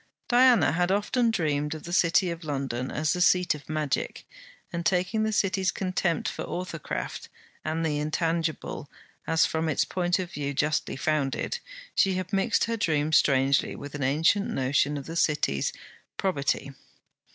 Diana had often dreamed of the City of London as the seat of magic; and taking the City's contempt for authorcraft and the intangible as, from its point of view, justly founded, she had mixed her dream strangely with an ancient notion of the City's probity.